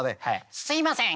「すみません